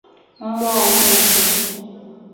mmụọ okpensi